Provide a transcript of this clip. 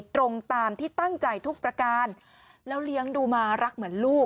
ตรงตามที่ตั้งใจทุกประการแล้วเลี้ยงดูมารักเหมือนลูก